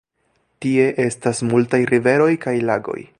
Tie estas multaj riveroj kaj lagoj.